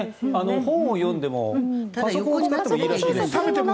本を読んでもパソコンを使ってもいいらしいです。